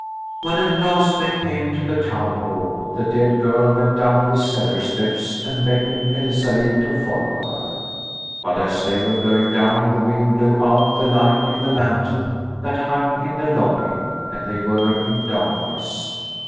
When at last they came to the town hall the dead girl went down the cellar steps and beckoned Elsalill to follow her. But as they were going down the wind blew out the light in the lantern that hung in the lobby and they were in darkness.